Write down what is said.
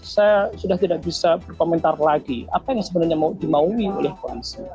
saya sudah tidak bisa berkomentar lagi apa yang sebenarnya mau dimaui oleh koalisi